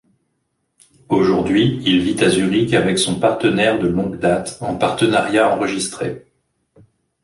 Aujourd’hui, il vit à Zurich avec son partenaire de longue date en partenariat enregistré.